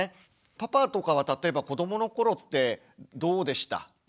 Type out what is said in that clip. パパとかは例えば子どもの頃ってどうでした？